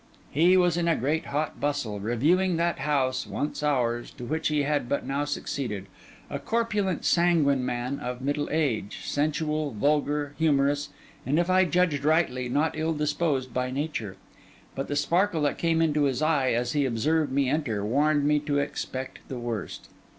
He was in a great, hot bustle, reviewing that house, once ours, to which he had but now succeeded; a corpulent, sanguine man of middle age, sensual, vulgar, humorous, and, if I judged rightly, not ill disposed by nature. But the sparkle that came into his eye as he observed me enter, warned me to expect the worst.